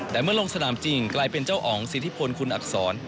แต่เมื่อลงสนามจริงกลายเป็นเจ้าอ๋องสิทธิพลคุณอักษร